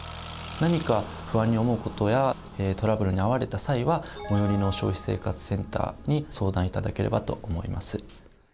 何か不安に思う事やトラブルに遭われた際は最寄りの消費生活センターに相談頂ければと思います。